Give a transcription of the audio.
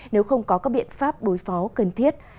nếu không có các biện pháp đối phó cần thiết